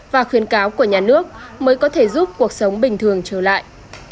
và khuyến cáo của nhà nước mới có thể giúp cuộc sống bình thường trở lại